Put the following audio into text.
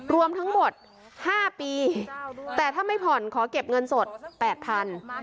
รวมทั้งหมด๕ปีแต่ถ้าไม่ผ่อนขอเก็บเงินสด๘๐๐บาท